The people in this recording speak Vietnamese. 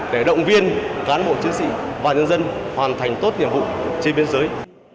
để động viên cán bộ chiến sĩ và nhân dân hoàn thành tốt nhiệm vụ trên biên giới